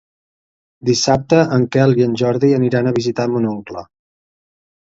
Dissabte en Quel i en Jordi aniran a visitar mon oncle.